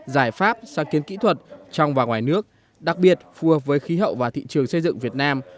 giải pháp sáng kiến kỹ thuật trong và ngoài nước đặc biệt phù hợp với khí hậu và thị trường xây dựng việt nam